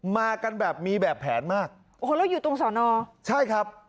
มากันแบบมีแบบแผนมากโอ้โหแล้วอยู่ตรงสอนอใช่ครับ